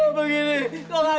kenapa lu teriak teriak